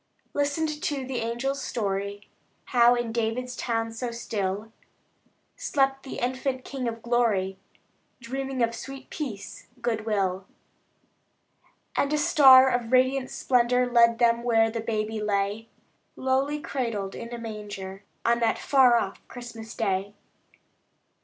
Listened to the angels' story: How, in David's town so still, Slept the infant King of Glory, Dreaming of sweet peace, good will. And a star of radiant splendor Led them where the baby lay, Lowly cradled in a manger, On that far off Christmas day.